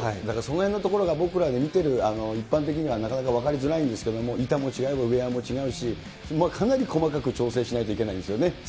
だからそのへんのところが僕らで見ている一般的にはなかなか分かりづらいんですけれども、板も違えば、ウエアも違うし、かなり細かく調整しないといけないんですよね。